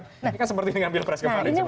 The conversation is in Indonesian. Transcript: ini kan seperti dengan pilpres kemarin